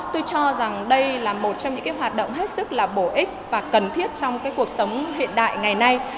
tôi cho rằng đây là một trong những hoạt động hết sức là bổ ích và cần thiết trong cuộc sống hiện đại ngày nay